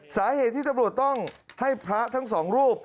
สาเหตุที่ตำรวจต้องให้พระทั้งสองรูป